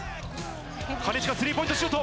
金近、スリーポイントシュート。